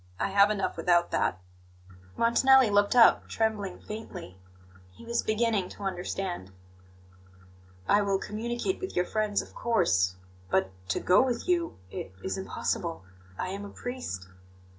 I have enough without that." Montanelli looked up, trembling faintly. He was beginning to understand. "I will communicate with your friends, of course. But to go with you it is impossible I am a priest."